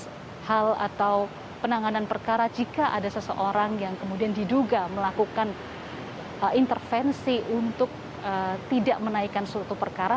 proses hal atau penanganan perkara jika ada seseorang yang kemudian diduga melakukan intervensi untuk tidak menaikkan suatu perkara